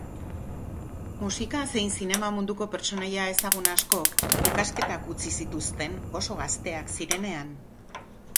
Musika zein zinema munduko pertsonaia ezagun askok ikasketak utzi zituzten oso gazteak zirinean.